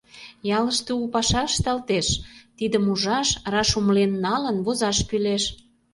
Ялыште у паша ышталтеш — тидым ужаш, раш умылен налын, возаш кӱлеш.